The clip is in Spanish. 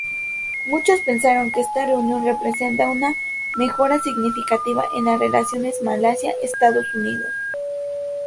Muchos pensaron que esta reunión representa una mejora significativa En las relaciones Malasia-Estados Unidos.